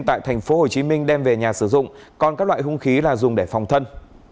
tại tp hcm đem về nhà sử dụng còn các loại hung khí là dùng để phòng thân